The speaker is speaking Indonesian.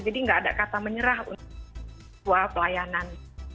tapi nggak ada kata menyerah untuk semua pelayanan